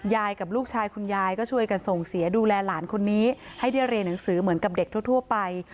ยายกับลูกชายคุณยายก็ช่วยกันส่งเสียดูแลหลานคนนี้ให้ได้เรียนหนังสือเหมือนกับเด็กทั่วไป